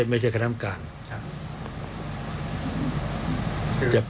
ไม่ใช่คำถามการ